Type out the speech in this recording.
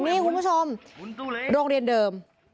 นี่คุณผู้ชมโรงเรียนเดิม